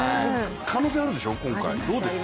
可能性あるでしょ、今回、どうですか？